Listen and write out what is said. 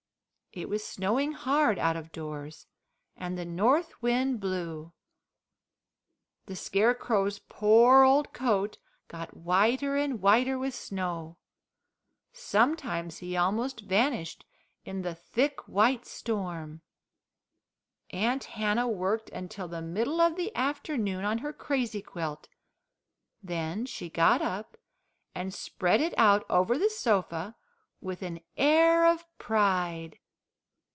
It was snowing hard out of doors, and the north wind blew. The Scarecrow's poor old coat got whiter and whiter with snow. Sometimes he almost vanished in the thick white storm. Aunt Hannah worked until the middle of the afternoon on her crazy quilt. Then she got up and spread it out over the sofa with an air of pride.